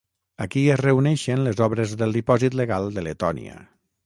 Aquí es reuneixen les obres del dipòsit legal de Letònia.